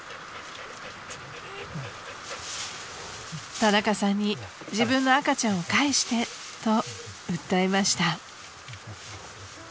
［田中さんに自分の赤ちゃんを返してと訴えました］